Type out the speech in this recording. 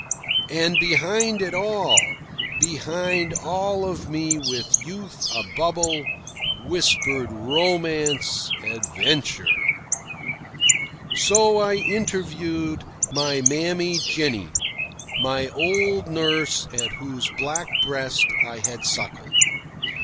And behind it all, behind all of me with youth abubble, whispered Romance, Adventure. So I interviewed my Mammy Jennie, my old nurse at whose black breast I had suckled.